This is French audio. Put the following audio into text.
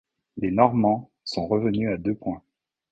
Les Normands sont revenus à deux points.